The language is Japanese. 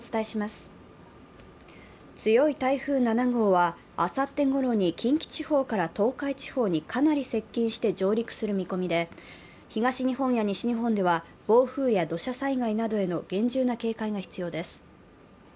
強い台風７号は、あさってごろに近畿地方から東海地方にかなり接近して上陸する見込みで東日本や西日本では暴風や土砂災害などへの厳重な警戒が必要です。